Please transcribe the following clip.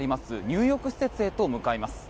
入浴施設へと向かいます。